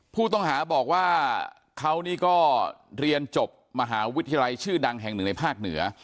ผู้ต้องหาบอกว่าเขานี่ก็เรียนจบมหาวิทยาลัยชื่อดังแห่งหนึ่งในภาคเหนือ